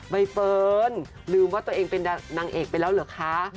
ใบเฟิร์นลืมว่าตัวเองเป็นนางเอกไปแล้วเหรอคะ